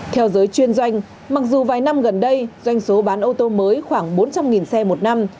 theo giới chuyên doanh mặc dù vài năm gần đây doanh số bán ô tô mới khoảng bốn trăm linh xe một năm